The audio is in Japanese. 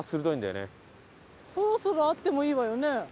そろそろあってもいいわよね？